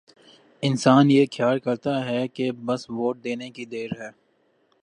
انسان یہ خیال کرتا ہے کہ بس ووٹ دینے کی دیر ہے۔